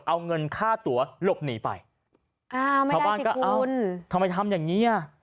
เอาเงินค่าตัวหลบหนีไปอ้าวชาวบ้านก็เอ้าทำไมทำอย่างเงี้อ่ะ